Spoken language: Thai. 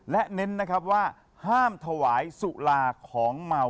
และเน้นนะครับว่าห้ามถวายสุราของเมา